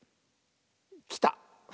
きた！